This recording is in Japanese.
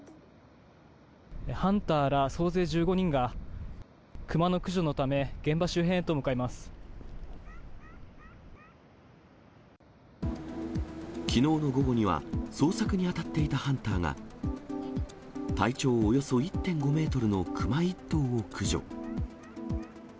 ハンターら総勢１５人が、クマの駆除のため、きのうの午後には、捜索に当たっていたハンターが、体長およそ１．５メートルのクマ１頭を駆除。